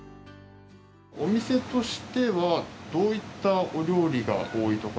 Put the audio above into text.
お店としてはどういったお料理が多いとか。